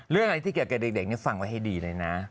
เรื่องอะไรที่เกี่ยวกับเด็กฟังไว้ให้ดีเลยนะ